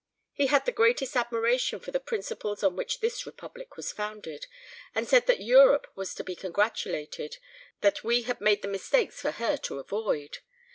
He had the greatest admiration for the principles on which this Republic was founded, and said that Europe was to be congratulated that we had made the mistakes for her to avoid.